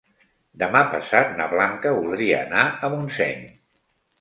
Demà passat na Blanca voldria anar a Montseny.